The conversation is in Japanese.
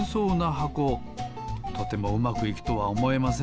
とてもうまくいくとはおもえません